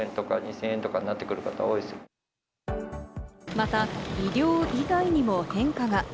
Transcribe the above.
また、医療以外にも変化が。